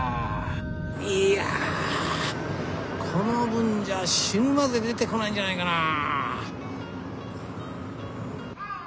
いやこの分じゃ死ぬまで出てこないんじゃないかなぁ？